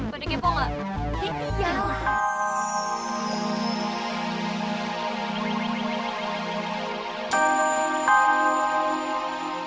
beda kepo gak